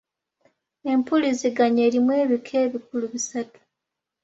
Empuliziganya erimu ebika ebikulu bisatu.